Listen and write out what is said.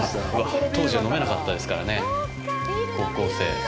当時は飲めなかったですからね、高校生。